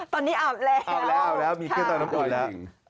ตอนนี้อาบแล้วอ้าวแล้วมีเครื่องทำน้ำอุ่นแล้ว